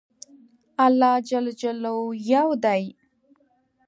الله ج يو دی